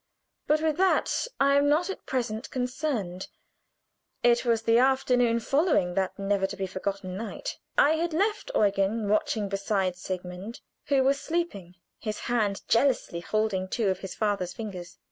But with that I am not at present concerned. It was the afternoon following that never to be forgotten night. I had left Eugen watching beside Sigmund, who was sleeping, his hand jealously holding two of his father's fingers.